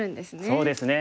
そうですね